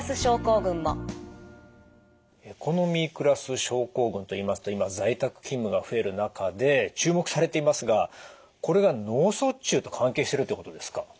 エコノミークラス症候群といいますと今在宅勤務が増える中で注目されていますがこれが脳卒中と関係してるってことですか？